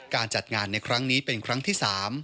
การจัดงานในครั้งนี้เป็นครั้งที่๓